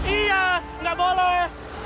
iya nggak boleh